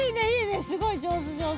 すごい上手上手。